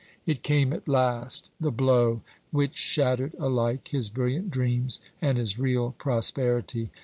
It came at last the blow which shattered alike his brilliant dreams and his real prosperity.